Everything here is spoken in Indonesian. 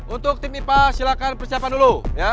untuk tim ipa silahkan persiapan dulu